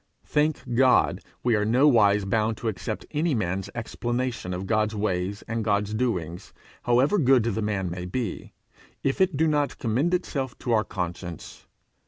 Thank God, we are nowise bound to accept any man's explanation of God's ways and God's doings, however good the man may be, if it do not commend itself to our conscience.